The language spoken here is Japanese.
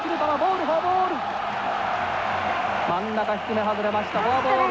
真ん中低め外れましたフォアボール。